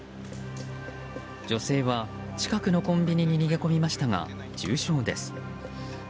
女性は近くのコンビニに逃げ込みましたが、重傷です。